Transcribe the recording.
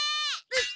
うっ！